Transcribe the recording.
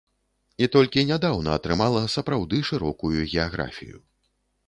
І толькі нядаўна атрымала сапраўды шырокую геаграфію.